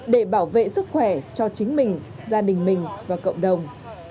để bảo vệ sức khỏe cho chính mình gia đình mình và cộng đồng